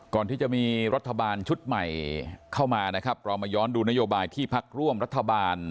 ก่อนที่จะมีรัฐบาลชุดใหม่เข้ามานะครับเรามาย้อนดูนโยบายที่พักร่วมรัฐบาล